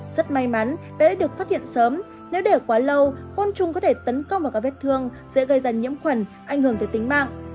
rất may mắn bé được phát hiện sớm nếu để quá lâu côn trùng có thể tấn công vào các vết thương dễ gây dần nhiễm khuẩn ảnh hưởng tới tính mạng